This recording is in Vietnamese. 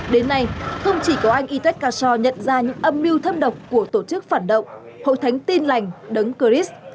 đến nay không chỉ có anh itoet kassor nhận ra những âm mưu thâm độc của tổ chức phản động hội thánh tin lành đấng chris